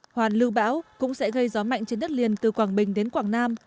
hoàn lưu bão cũng sẽ gây gió mạnh trên đất liền từ quảng bình đến quảng nam